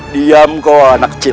diam kau anak kecil